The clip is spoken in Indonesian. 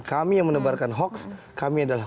kami yang menebarkan hoax kami adalah